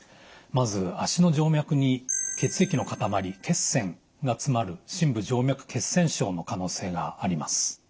まず脚の静脈に血液の塊血栓が詰まる深部静脈血栓症の可能性があります。